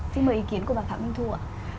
xin mời ý kiến của bà phạm minh thu ạ